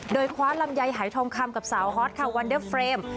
โดยคว้าลำไยหายทองคำกับสาวฮอตค่ะวันเดอร์เฟรม